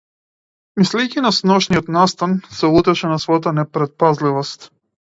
Мислејќи на сношниот настан, се лутеше на својата непретпазливост.